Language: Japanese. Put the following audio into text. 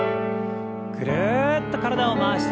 ぐるっと体を回して。